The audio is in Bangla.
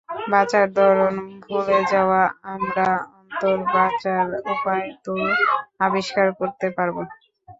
বাঁচার ধরণ ভুলে যাওয়া আমরা অন্তত বাঁচার উপায় তো আবিষ্কার করতে পারবো।